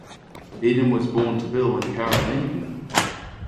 Eden was born to Bill and Karen Eden.